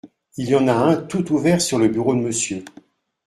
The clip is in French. Il y en a un tout ouvert sur le bureau de Monsieur.